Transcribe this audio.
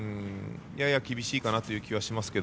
やや厳しいかなという気もしますが。